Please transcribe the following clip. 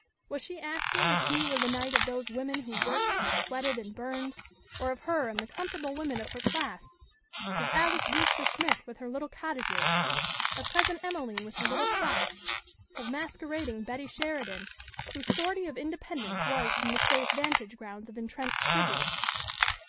Was she asking if he were the knight of those women who worked and sweated and burned, or of her and the comfortable women of her class, of Alys Brewster Smith with her little cottages, of Cousin Emelene with her little stocks, of masquerading Betty Sheridan whose sortie of independence was from the safe vantage grounds of entrenched privilege?